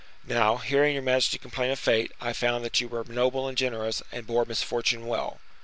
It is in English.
Now, hearing your majesty complain of fate, I found that you were noble and generous, and bore misfortune well."